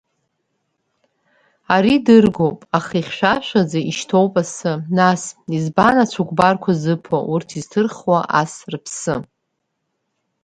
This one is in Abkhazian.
Ари дыргоуп, аха ихьшәашәаӡа ишьҭоуп асы, нас, избан ацәыкәбарқәа зыԥо, урҭ изҭырхуа ас рыԥсы?